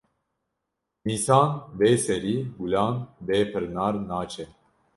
Nîsan bê serî, gulan bê pirnar naçe